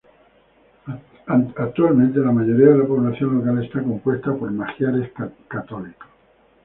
Actualmente la mayoría de la población local está compuesta por magiares católicos.